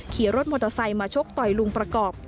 ขี่รถมอเตอร์ไซค์มาชกต่อยลุงประกอบ